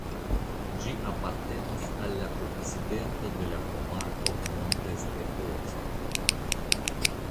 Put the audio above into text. Ĝi apartenas al la okcidento de la komarko "Montes de Oca".